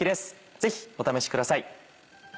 ぜひお試しください。